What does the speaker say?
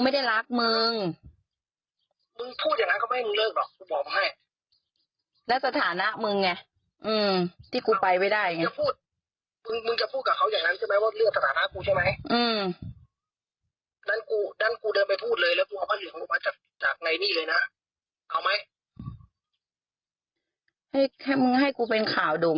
ไม่อำเภอหรอกทั้งจังหวัดหรือเชื่อพื้นที่